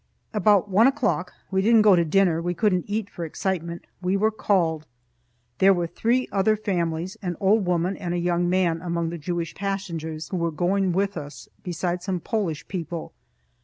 About one o'clock (we didn't go to dinner we couldn't eat for excitement) we were called. There were three other families, an old woman, and a young man, among the Jewish passengers, who were going with us, besides some Polish people.